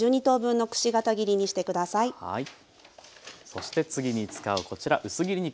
そして次に使うこちら薄切り肉